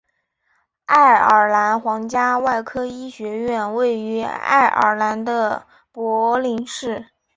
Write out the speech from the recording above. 爱尔兰皇家外科医学院位于爱尔兰的都柏林市。